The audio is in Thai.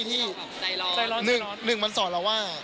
ใจร้อนใจร้อนหนึ่งมันสอนเราว่า